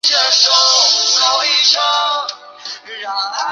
现在这里仍有很受儿童喜爱的游乐园。